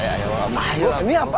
ayolah ini apa